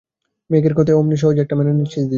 মেঘের মতোই অমনি সহজে এটাকে মেনে নিস দিদি।